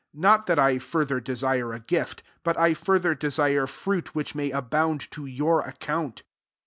17 Not that I fur ther desire a gift : but I further desire fruit which may abound 10 your account.